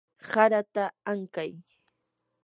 harata ankay.